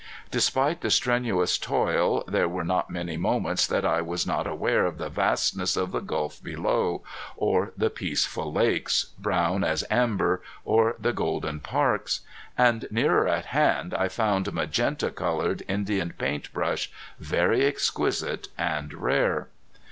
Despite the strenuous toil there were not many moments that I was not aware of the vastness of the gulf below, or the peaceful lakes, brown as amber, or the golden parks. And nearer at hand I found magenta colored Indian paint brush, very exquisite and rare.